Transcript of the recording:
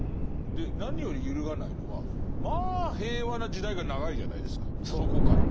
何より揺るがないのはまあ平和な時代が長いじゃないですかそこから。